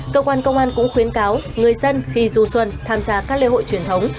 cơ quan công an cũng khuyến cáo người dân khi du xuân tham gia các lễ hội truyền thống